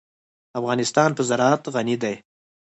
افغانستان په زراعت غني دی.